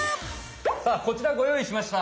さあこちらごよういしました！